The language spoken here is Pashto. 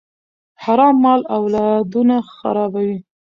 حرام مال اولادونه خرابوي.